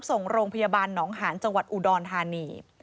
ส่งโรงพยาบาลหนองหาญจังหวัดอุดรธานี